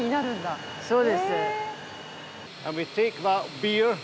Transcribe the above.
そうです。